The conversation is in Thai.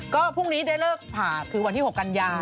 ก็พรุ่งนี้ได้เลิกผ่าคือวันที่๖กันยา